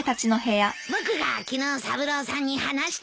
僕が昨日三郎さんに話したんだよ。